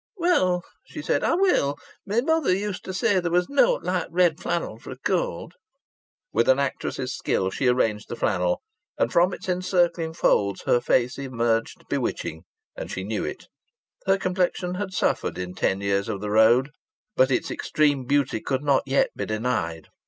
"Well," she said, "I will. My mother used to say there was naught like red flannel for a cold." With an actress's skill she arranged the flannel, and from its encircling folds her face emerged bewitching and she knew it. Her complexion had suffered in ten years of the road, but its extreme beauty could not yet be denied.